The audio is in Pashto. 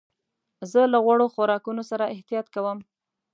زه له غوړو خوراکونو سره احتياط کوم.